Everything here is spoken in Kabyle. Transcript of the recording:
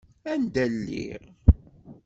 Anda lliɣ?